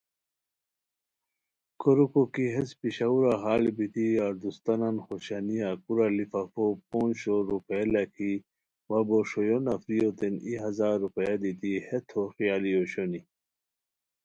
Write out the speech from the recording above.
کوریکو کی ہیس پشاورا حال بیتی یاردوستانان خوشانیہ کورا لفافو پونج شور روپیہ لکھی وا بو ݰویو نفریوتین ای ہزار روپیہ دیتی ہیت ہو خیالی اوشونی